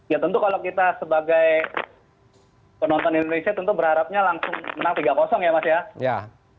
ya tentu kalau kita sebagai penonton indonesia tentu berharapnya langsung menang tiga ya mas ya